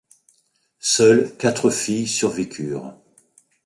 Seules quatre filles survécurent.